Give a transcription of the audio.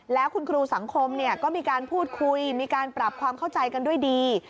แล้วคุณครูสังคมก็มีการพูดคุยมีการปรับความเข้าใจกันด้วยดี